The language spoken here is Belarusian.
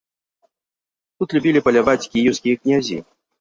Тут любілі паляваць кіеўскія князі.